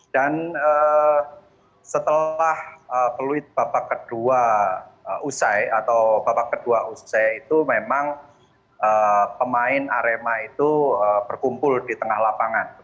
dan setelah peluit bapak kedua usai atau bapak kedua usai itu memang pemain arema itu berkumpul di tengah lapangan